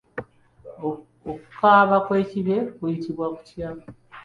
Okukaaba kw'ekibe kuyitibwa kutya?